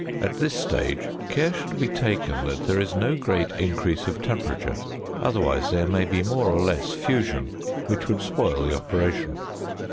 At this stage care should be taken that there is no great increase of temperature, otherwise there may be more or less fusion, which would spoil the operation.